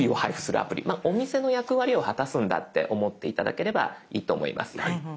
まあお店の役割を果たすんだって思って頂ければいいと思います。